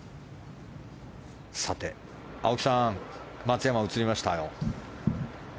さて、青木さん松山が映りましたよ。